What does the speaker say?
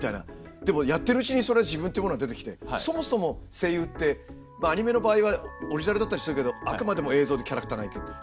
でもやってるうちにそれは自分っていうものが出てきてそもそも声優ってアニメの場合はオリジナルだったりするけどあくまでも映像でキャラクターがいて。